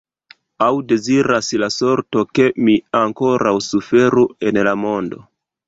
Aŭ deziras la sorto, ke mi ankoraŭ suferu en la mondo?